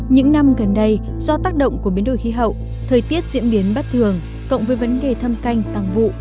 những năm gần đây do tác động của biến đổi khí hậu thời tiết diễn biến bất thường cộng với vấn đề thâm canh tăng vụ